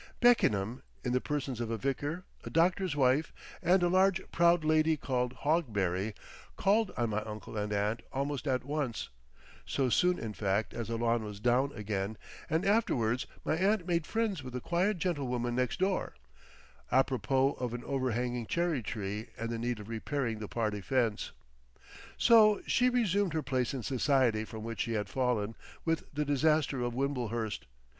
Beckenham, in the persons of a vicar, a doctor's wife, and a large proud lady called Hogberry, "called" on my uncle and aunt almost at once, so soon in fact as the lawn was down again, and afterwards my aunt made friends with a quiet gentlewoman next door, a propos of an overhanging cherry tree and the need of repairing the party fence. So she resumed her place in society from which she had fallen with the disaster of Wimblehurst.